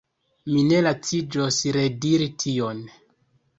Mi ne laciĝos rediri tion.